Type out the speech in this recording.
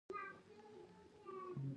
دا ځای د پاکوالي له پلوه ښه دی.